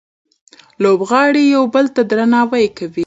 لوبغاړي یو بل ته درناوی کوي.